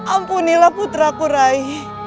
ampunilah putraku rai